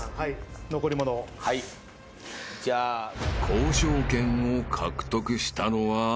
［交渉権を獲得したのは？］